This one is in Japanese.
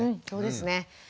そうですね。